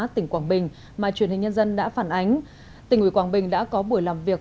tỉnh quảng bình mà truyền hình nhân dân đã phản ánh tỉnh ủy quảng bình đã có buổi làm việc